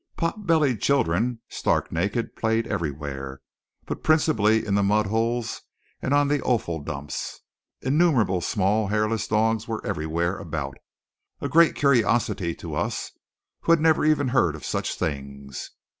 Pot bellied children, stark naked, played everywhere, but principally in the mudholes and on the offal dumps. Innumerable small, hairless dogs were everywhere about, a great curiosity to us, who had never even heard of such things.